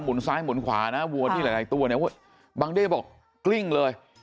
หมุนซ้ายหมุนขวานะฮะวัวที่หลายหลายตัวเนี่ยว่าบังเด้บอกกลิ้งเลย